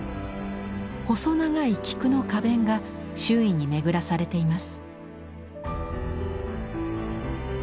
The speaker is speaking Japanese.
細長い菊の花弁が周囲に巡らされています。